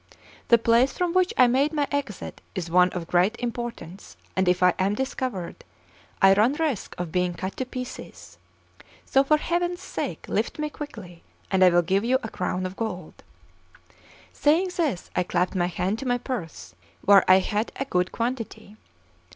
The place from which I made my exit is one of great importance; and if I am discovered, I run risk of being cut to pieces; so for heaven's sake lift me quickly, and I will give you a crown of gold." Saying this, I clapped my hand to my purse, where I had a good quantity.